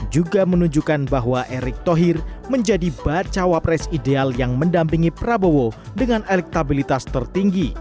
juga menunjukkan bahwa erick thohir menjadi bacawa pres ideal yang mendampingi prabowo dengan elektabilitas tertinggi